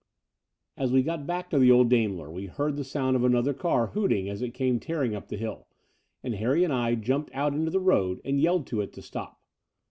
As we got back to the old Daimler, we heard the sound of another car hooting as it came tearing up the hill; and Harry and I jumped out into tl^e road and yelled to it to stop.